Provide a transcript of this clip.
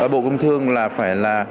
bộ công thương là phải là